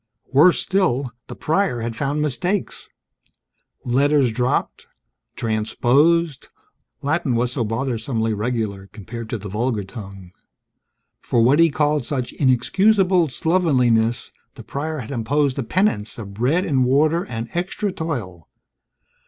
Worse still, the Prior had found mistakes: letters dropped, transposed (Latin was so bothersomely regular; compared to the vulgar tongue). For what he called such "inexcusable slovenliness," the Prior had imposed a penance of bread and water and extra toil.